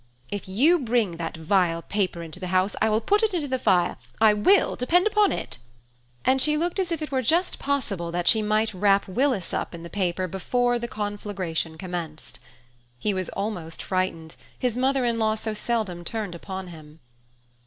If you bring that vile paper into the house, I will put it into the fire, I will, depend upon it," and she looked as if it were just possible that she might wrap Willis up in the paper before the conflagration commenced. He was almost frightened, his mother in law so seldom turned upon him.